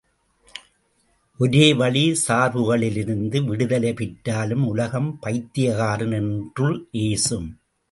ஒரோவழி சார்புகளிலிருந்து விடுதலை பெற்றாலும் உலகம் பைத்தியக்காரன் என்று ஏசும்!